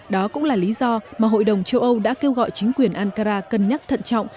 đó cũng là lý do mà hội đồng châu âu đã kêu gọi chính quyền ankara cân nhắc thận trọng